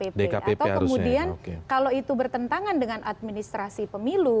atau kemudian kalau itu bertentangan dengan administrasi pemilu